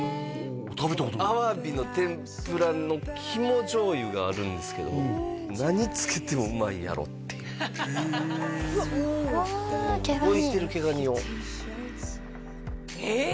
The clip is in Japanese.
食べたことないアワビの天ぷらの肝醤油があるんですけど何つけてもうまいやろっていうへえうわ毛ガニ動いてる毛ガニをえ！